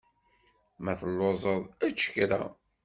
Ma telluẓeḍ, ečč kra.